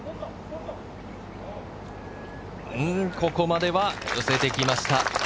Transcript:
ここまでは寄せてきました。